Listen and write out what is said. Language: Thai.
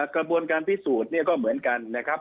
กระบวนการพิสูจน์เนี่ยก็เหมือนกันนะครับ